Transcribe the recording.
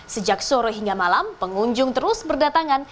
sejak sore hingga malam pengunjung terus berdatangan